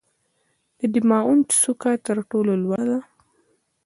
د دماوند څوکه تر ټولو لوړه ده.